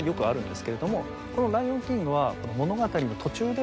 この『ライオンキング』は。